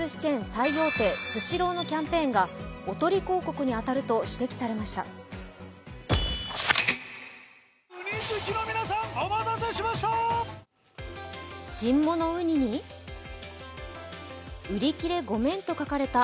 最大手スシローのキャンペーンがおとり広告に当たると指摘されました。